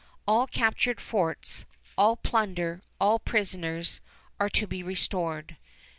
All captured forts, all plunder, all prisoners, are to be restored.